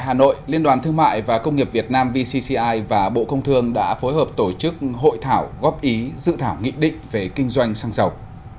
hà nội liên đoàn thương mại và công nghiệp việt nam vcci và bộ công thương đã phối hợp tổ chức hội thảo góp ý dự thảo nghị định về kinh doanh xăng dầu